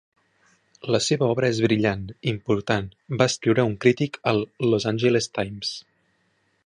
La seva obra és "brillant, important", va escriure un crític al "Los Angeles Times".